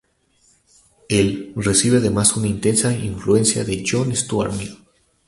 Él recibe además una intensa influencia de John Stuart Mill.